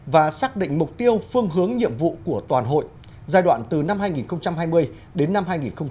và xác định mục tiêu phương hướng nhiệm vụ của toàn hội giai đoạn từ năm hai nghìn hai mươi đến năm hai nghìn hai mươi năm